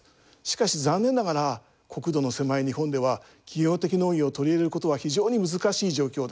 しかし残念ながら国土の狭い日本では企業的農業を取り入れることは非常に難しい状況です。